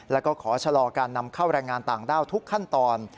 แล้วก็ขอชะลอการนำเข้าแรงงานต่างด้าวทุกขั้นตอน